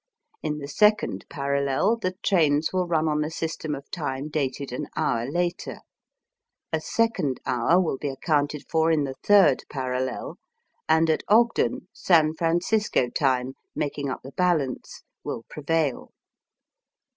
In the second parallel the trains will run on a system of time dated an hour later ; a second hour will be accounted for in the third parallel; and at Ogden, San Francisco time, making up the balance, will prevail.